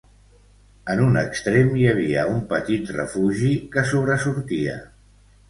En un extrem hi havia un petit refugi que sobresortia